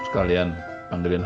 kalian pandelin amin